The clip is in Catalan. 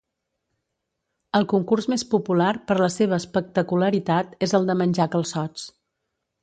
El concurs més popular, per la seva espectacularitat, és el de menjar calçots.